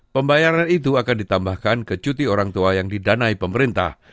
pembayaran itu akan ditambahkan ke cuti orang tua yang didanai pemerintah